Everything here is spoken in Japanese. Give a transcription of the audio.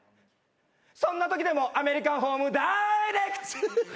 そんなときでもアメリカンホーム・ダイレクト！